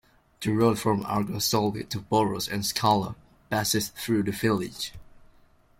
The road from Argostoli to Poros and Skala passes through the village.